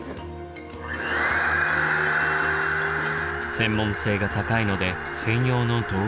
専門性が高いので専用の道具はない。